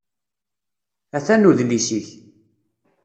Atan udlis-ik.